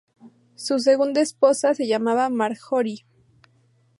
Su segunda esposa se llamaba Marjorie.